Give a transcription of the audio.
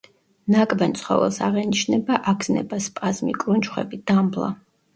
ნაკბენ ცხოველს აღენიშნება აგზნება, სპაზმი, კრუნჩხვები, დამბლა.